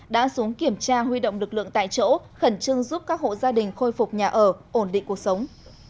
đã xuống kiểm tra huy động lực lượng tại chỗ khẩn trương giúp các hộ gia đình khôi phục nhà ở ổn định cuộc sống